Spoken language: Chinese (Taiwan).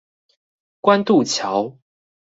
關渡橋